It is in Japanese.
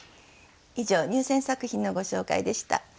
以上入選作品のご紹介でした。